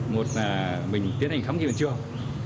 một là mình tiến hành khám nghiệm hiện trường